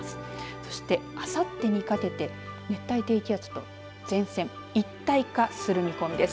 そしてあさってにかけて熱帯低気圧と前線が一体化する見込みです。